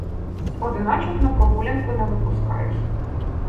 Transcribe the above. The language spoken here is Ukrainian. — З одиночок на прогулянку не випускають.